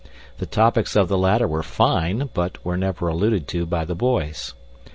The topics of the latter were fine, but were never alluded to by the boys.